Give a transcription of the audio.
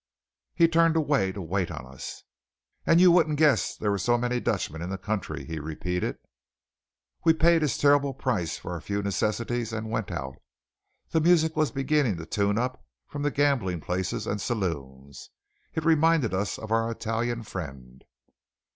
He turned away to wait on us. "And you wouldn't guess there was so many Dutchmen in the country!" he repeated. We paid his terrible prices for our few necessities, and went out. The music was beginning to tune up from the gambling places and saloons. It reminded us of our Italian friend.